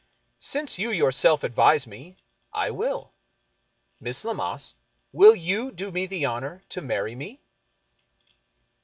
" Since you yourself advise me, I will. }kliss Lammas, will you do me the honor to marry me